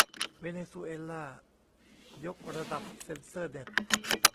เวเนซุเอลายกระดับเซ็นเซอร์เน็ต